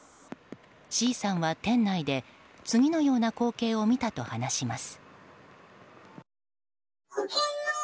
Ｃさんは店内で次のような光景を見たと話します。